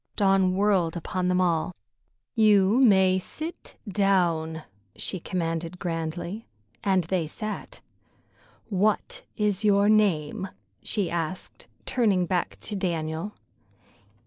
Dawn whirled upon them all. "You may sit down," she commanded grandly, and they sat. "What is your name?" she asked, turning back to Daniel.